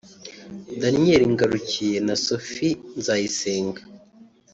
Daniel Ngarukiye na Sophie Nzayisenga